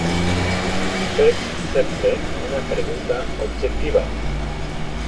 Fes sempre una pregunta objectiva.